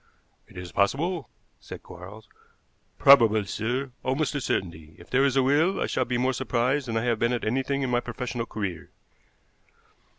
"It is possible," said Quarles. "Probable, sir, almost a certainty. If there is a will I shall be more surprised than I have been at anything in my professional career."